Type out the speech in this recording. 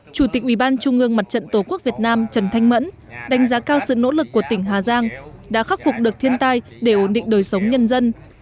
chủ tịch ủy ban trung ương mặt trận tổ quốc việt nam trần thanh mẫn đánh giá cao sự nỗ lực của tỉnh hà giang đã khắc phục được thiên tai để ổn định đời sống nhân dân